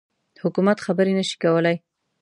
حکومت خبري نه شي کولای.